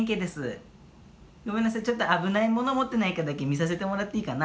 ごめんなさいちょっと危ないもの持ってないかだけ見させてもらっていいかな？